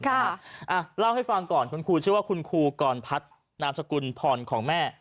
อ่าเล่าให้ฟังก่อนคุณครูชื่อว่าคุณครูกรพัฒน์นามจะคุณพรของแม่